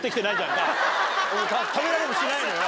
食べられもしないのよ。